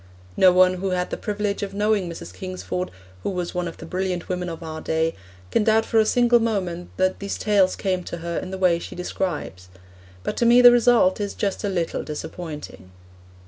No one who had the privilege of knowing Mrs. Kingsford, who was one of the brilliant women of our day, can doubt for a single moment that these tales came to her in the way she describes; but to me the result is just a little disappointing.